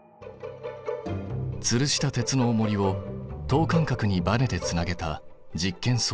つるした鉄のおもりを等間隔にバネでつなげた実験装置。